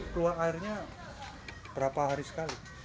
keluar airnya berapa hari sekali